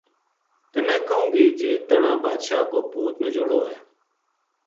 تنا کہوں گی جی تہنا بادشاہ کو پوت نجوڑو ہے